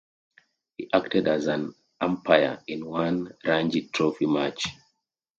He acted as an umpire in one Ranji Trophy match.